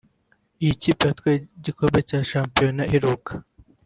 Iyo kipe yatwaye igikombe cya shampiyona iheruka